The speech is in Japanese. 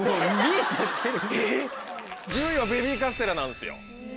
１０位はベビーカステラなんですよ。